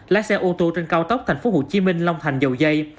lái xe ô tô trên cao tốc thành phố hồ chí minh long thành dầu dây